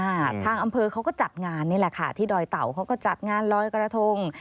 ทางอำเภอเขาก็จัดงานนี่แหละค่ะที่ดอยเต่าเขาก็จัดงานลอยกระทง